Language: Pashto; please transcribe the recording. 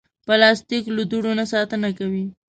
پلاستيک له دوړو نه ساتنه کوي.